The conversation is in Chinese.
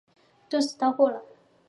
顿时到货了